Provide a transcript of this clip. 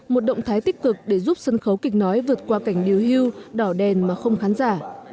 một động thái tích cực để giúp sân khấu kịch nói vượt qua cảnh điều hưu đỏ đèn mà không khán giả